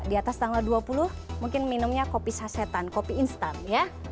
di atas tanggal dua puluh mungkin minumnya kopi sasetan kopi instan ya